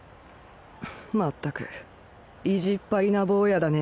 まったく意地っ張りな坊やだね。